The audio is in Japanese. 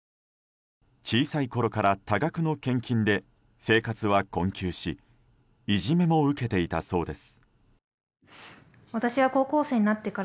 小さいころから多額の献金で生活は困窮しいじめも受けていたそうです。